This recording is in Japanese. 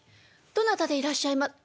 どなたでいらっしゃいま。